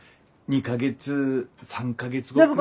２か月３か月後くらい。